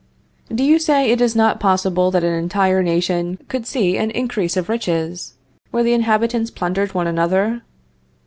Do you say, it is not possible that an entire nation could see an increase of riches where the inhabitants plundered one another?